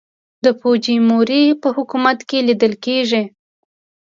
د فوجیموري په حکومت کې لیدل کېږي.